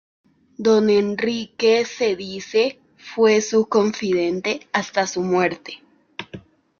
Don Henrique se dice fue su confidente hasta su muerte.